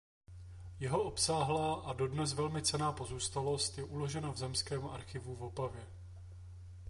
Jeho obsáhlá a dodnes velmi cenná pozůstalost je uložena v Zemském archivu v Opavě.